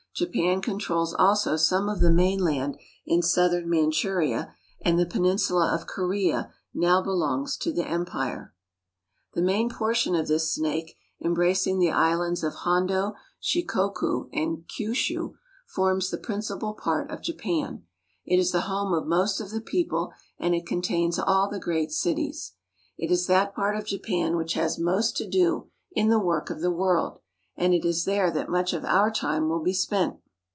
Japan controls also some of the mainland in southern Manchuria, and the peninsula of Korea now belongs to the empire. The main portion of this snake embracing the islands of Hondo, Shikoku, and Kiushu forms the principal part of Japan. It is the home of most of the people ; and it con tains all the great cities. It is that part of Japan which has most to do in the work of the world, and it is there that much of our time will be spent.